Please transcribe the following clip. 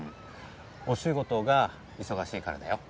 お仕事が忙しいからだよ。